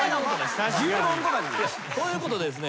確かに。ということでですね